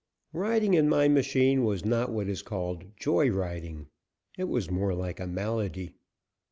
Riding in my machine was not what is called "joy riding." It was more like a malady.